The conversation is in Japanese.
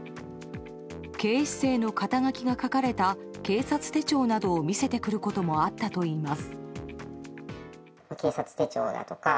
警視正の肩書が書かれた警察手帳などを見せてくることもあったといいます。